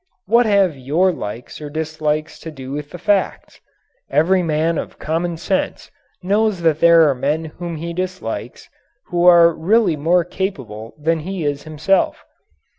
What have your likes or dislikes to do with the facts? Every man of common sense knows that there are men whom he dislikes, who are really more capable than he is himself.